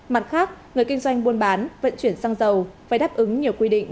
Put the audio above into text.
mặt khác người kinh doanh buôn bán vận chuyển xăng dầu phải đáp ứng nhiều quy định